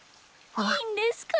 いいんですか？